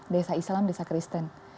desa islam desa kristen